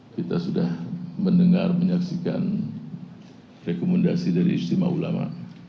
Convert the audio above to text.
kita sudah mendengar menyaksikan rekomendasi dari istimewa ulama